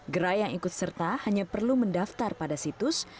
gerai yang ikut serta hanya perlu mendaftar pada situs